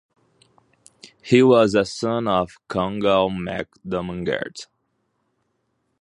He was a son of Comgall mac Domangairt.